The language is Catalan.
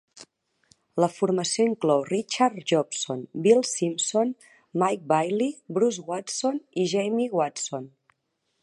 La formació inclou Richard Jobson, Bill Simpson, Mike Baillie, Bruce Watson i Jamie Watson.